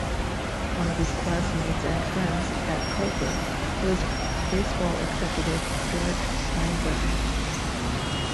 One of his classmates and friends at Culver was baseball executive George Steinbrenner.